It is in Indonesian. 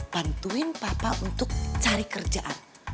bantuin papa untuk cari kerjaan